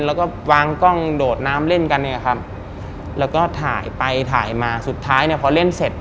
แล้วก็วางกล้องโดดน้ำเล่นกันเนี่ยครับแล้วก็ถ่ายไปถ่ายมาสุดท้ายเนี่ยพอเล่นเสร็จ